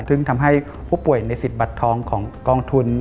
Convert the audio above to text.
ซึ่งทำให้ผู้ป่วยในสิทธิบัตรทองของกองทุน